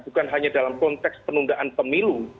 bukan hanya dalam konteks penundaan pemilu